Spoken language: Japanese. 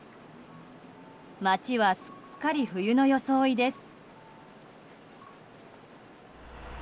街は、すっかり冬の装いです。